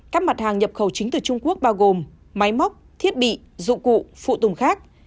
các mặt hàng nhập khẩu chính từ trung quốc bao gồm máy móc thiết bị dụng cụ phụ tùng khác